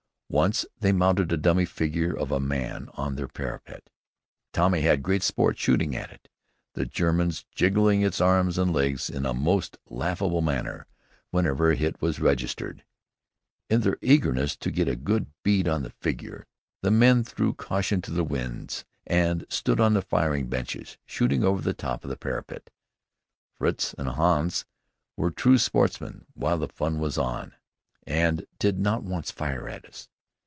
Once they mounted a dummy figure of a man on their parapet. Tommy had great sport shooting at it, the Germans jiggling its arms and legs in a most laughable manner whenever a hit was registered. In their eagerness to "get a good bead" on the figure, the men threw caution to the winds, and stood on the firing benches, shooting over the top of the parapet. Fritz and Hans were true sportsmen while the fun was on, and did not once fire at us.